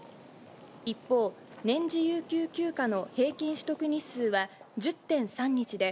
一方、年次有給休暇の平均取得日数は１０．３日で、